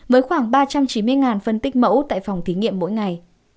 với khoảng ba trăm chín mươi phân tích mẫu tại phòng thí nghiệm mỗi ngày